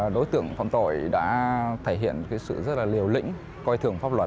đối tượng phạm tội đã thể hiện sự rất là liều lĩnh coi thường pháp luật